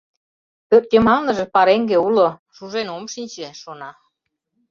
Пӧртйымалныже пареҥге уло — шужен ом шинче, шона.